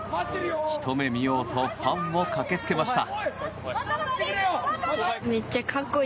ひと目見ようとファンも駆けつけました。